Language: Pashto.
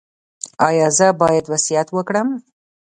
ایا زه باید وصیت وکړم؟